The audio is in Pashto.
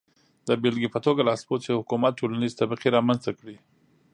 د بېلګې په توګه لاسپوڅي حکومت ټولنیزې طبقې رامنځته کړې.